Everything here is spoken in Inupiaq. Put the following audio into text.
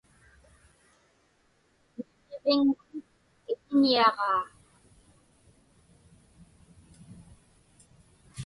Niġġiviŋmun iḷiniaġaa.